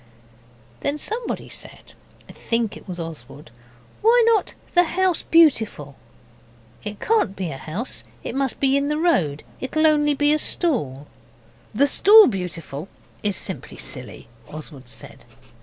Then someone said I think it was Oswald 'Why not "The House Beautiful"?' 'It can't be a house, it must be in the road. It'll only be a stall.' 'The "Stall Beautiful" is simply silly,' Oswald said.